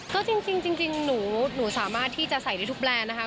ก็จริงหนูสามารถที่จะใส่ได้ทุกแบรนด์นะคะ